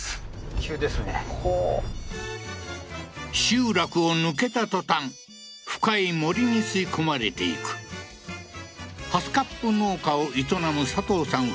集落を抜けた途端深い森に吸い込まれていくハスカップ農家を営むサトウさん